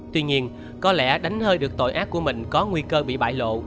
tuy nhiên có lẽ đánh hơi được tội ác của mình có nguy cơ bị bại lộ